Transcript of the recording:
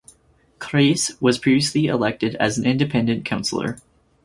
Creese was previously elected as an Independent councillor.